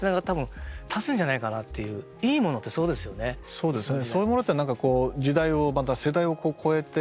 そうですね。